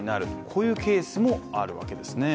こういうケースもあるわけですね。